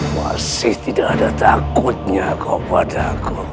masih tidak ada takutnya kau padaku